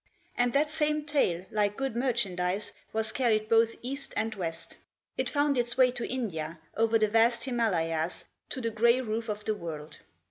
And that same tale, like good merchandise, was carried both east and west. It foimd its way to India, over the vast Himalayas, to the gray roof of the world.